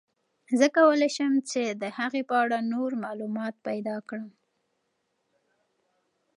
زه کولای شم چې د هغې په اړه نور معلومات پیدا کړم.